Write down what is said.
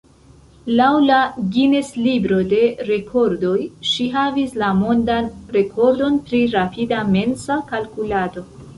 Laŭ la Guinness-libro de rekordoj si havis la mondan rekordon pri rapida mensa kalkulado.